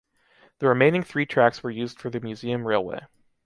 The remaining three tracks were used for the museum railway.